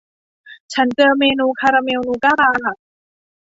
ฉันเจอเมนูคาราเมลนูก้าบาร์